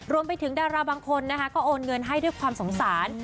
รวมไปถึงดาราบางคนนะคะก็โอนเงินให้ด้วยความสงสาร